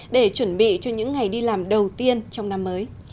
để chuẩn bị cho những ngày đi làm đầu tiên trong năm mới